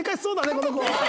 この子は。